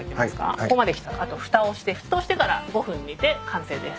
ここまできたらあとふたをして沸騰してから５分煮て完成です。